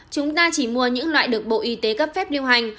chúng ta chỉ mua những loại được bộ y tế cấp phép lưu hành